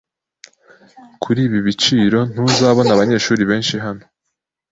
Kuri ibi biciro, ntuzabona abanyeshuri benshi hano.